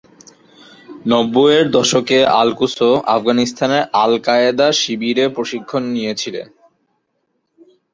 নব্বইয়ের দশকে আল-কুসো আফগানিস্তানের আল-কায়েদার শিবিরে প্রশিক্ষণ নিয়েছিলেন।